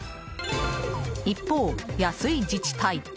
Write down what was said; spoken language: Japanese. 一方、安い自治体。